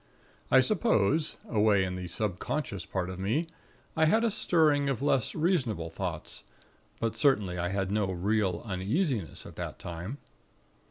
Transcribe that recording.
I suppose, away in the subconscious part of me, I had a stirring of less reasonable thoughts; but certainly, I had no real uneasiness at that time.